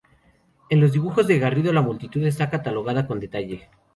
En los dibujos de Garrido la multitud está catalogada con detalle.